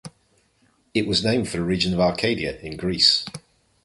It was named for the region of Arcadia, in Greece.